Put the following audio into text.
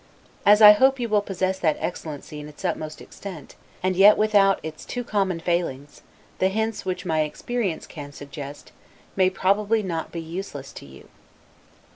As, I hope, you will possess that excellency in its utmost extent, and yet without its too common failings, the hints, which my experience can suggest, may probably not be useless to you.